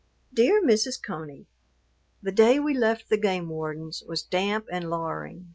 DEAR MRS. CONEY, The day we left the game warden's was damp and lowering.